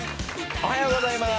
おはようございます。